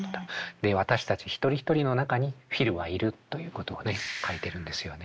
私たち一人一人の中にフィルはいる」ということをね書いてるんですよね。